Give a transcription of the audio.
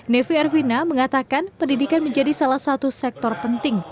nevi ervina mengatakan pendidikan menjadi salah satu sektor penting